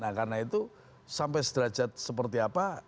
nah karena itu sampai sederajat seperti apa